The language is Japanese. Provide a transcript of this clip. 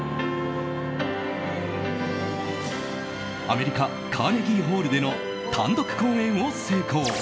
アメリカカーネギーホールでの単独公演を成功。